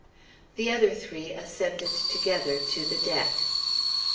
The other three ascended together to the deck.